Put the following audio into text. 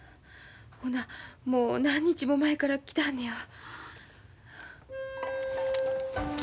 ほなもう何日も前から来てはんねやわ。